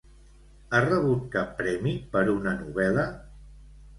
Ha rebut cap premi per una novel·la?